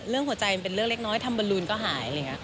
เรื่องหัวใจเป็นเรื่องเล็กน้อยทำบรรลูนก็หายเลยค่ะ